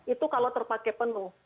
itu kalau terpakai penuh